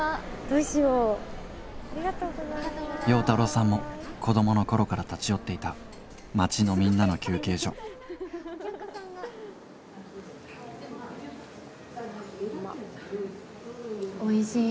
要太郎さんも子供の頃から立ち寄っていた町のみんなの休憩所おいしい。